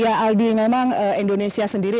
ya aldi memang indonesia sendiri